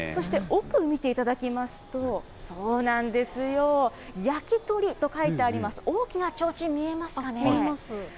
そして奥、見ていただきますと、そうなんですよ、焼き鳥と書いてあります、大きなちょうちん、見えますかね。